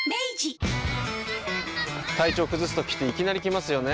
体調崩すときっていきなり来ますよね。